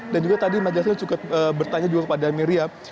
dan juga tadi majelis hakim juga bertanya kepada miriam